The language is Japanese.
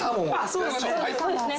そうっすね。